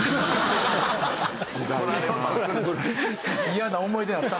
嫌な思い出やった。